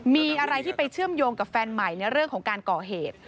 มีอะไรที่ไปเชื่อมโยงกับแฟนใหม่ในเรื่องของการก่อเหตุ